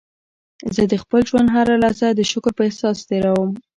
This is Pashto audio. زه د خپل ژوند هره لحظه د شکر په احساس تېرووم.